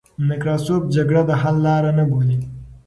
نکراسوف جګړه د حل لار نه بولي.